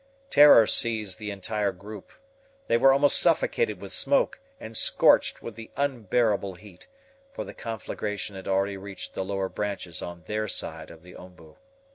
Terror seized the entire group. They were almost suffocated with smoke, and scorched with the unbearable heat, for the conflagration had already reached the lower branches on their side of the OMBU.